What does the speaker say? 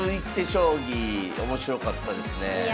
将棋面白かったですねえ。